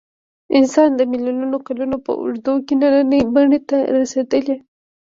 انسان د میلیونونو کلونو په اوږدو کې نننۍ بڼې ته رارسېدلی.